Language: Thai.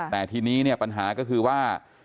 แต่ทีนี้เนี่ยปัญหาก็คือว่า